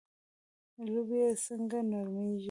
لوبیې څنګه نرمیږي؟